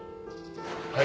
はい。